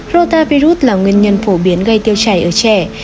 rotavirus là nguyên nhân phổ biến gây tiêu chảy ở trẻ